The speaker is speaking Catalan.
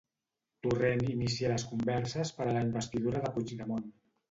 Torrent inicia les converses per a la investidura de Puigdemont.